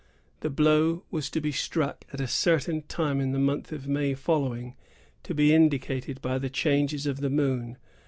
The blow was to be struck at a certain time in the month of May following, to be indicated by the changes of the moon.